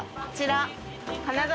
こちら。